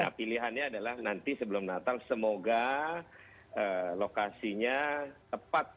nah pilihannya adalah nanti sebelum natal semoga lokasinya tepat